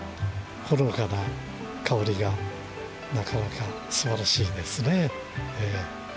ほのかな香りがなかなかすばらしいですね。